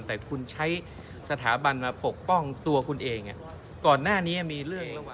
แต่คุณใช้สถาบันมาปกป้องตัวคุณเองก่อนหน้านี้มีเรื่องระหว่าง